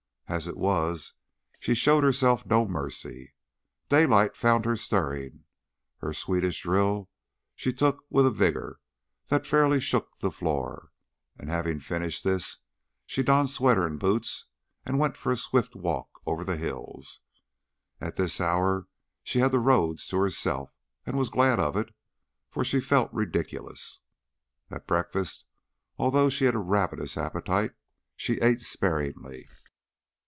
As it was she showed herself no mercy. Daylight found her stirring, her Swedish drill she took with a vigor that fairly shook the floor, and, having finished this, she donned sweater and boots and went for a swift walk over the hills. At this hour she had the roads to herself and was glad of it, for she felt ridiculous. At breakfast, although she had a ravenous appetite, she ate sparingly.